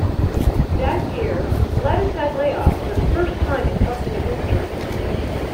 That year, Lattice had layoffs for the first time in company history.